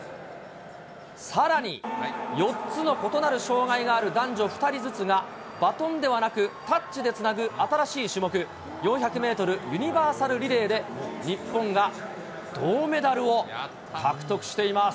さらに、４つの異なる障がいがある男女２人ずつが、バトンではなくタッチでつなぐ新しい種目、４００メートルユニバーサルリレーで、日本が銅メダルを獲得しています。